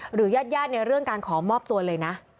หรือญาติในเรื่องการขอมอบตัวเลยนะ